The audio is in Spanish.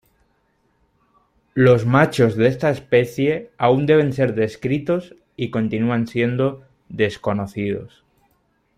Los machos de esta especie aún deben ser descritos y continúan siendo desconocidos.